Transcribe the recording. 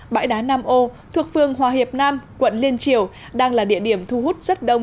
bãi đá nam ô thuộc phương hòa hiệp nam quận liên triều đang là địa điểm thu hút rất đông